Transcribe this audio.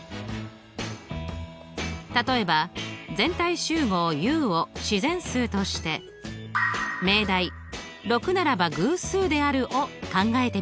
例えば全体集合Ｕを自然数として命題「６ならば偶数である」を考えてみましょう。